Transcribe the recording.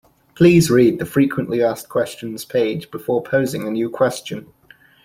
Please read the frequently asked questions page before posing a new question.